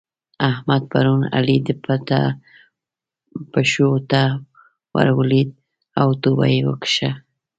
احمد پرون علي ته پښو ته ور ولېد او توبه يې وکښه.